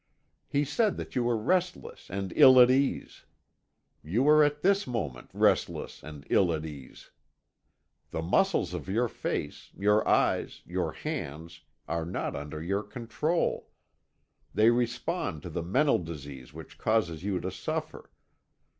He said that you were restless and ill at ease. You are at this moment restless and ill at ease. The muscles of your face, your eyes, your hands, are not under your control. They respond to the mental disease which causes you to suffer.